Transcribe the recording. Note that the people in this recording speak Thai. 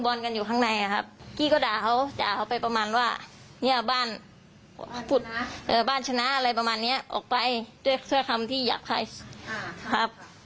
บ้านชนะอะไรประมาณนี้ออกไปด้วยเครื่องคำที่อยากใช้